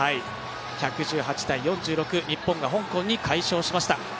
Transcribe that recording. １１８−４６、日本が香港に快勝しました。